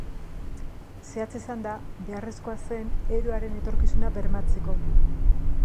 Zehatz esanda, beharrezkoa zen euroaren etorkizuna bermatzeko.